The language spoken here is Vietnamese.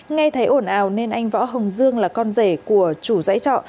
nghe thấy ổn ào nên anh võ hồng dương là con rể của chủ giải trọ